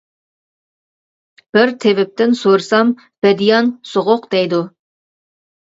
بىر تېۋىپتىن سورىسام بەدىيان سوغۇق دەيدۇ.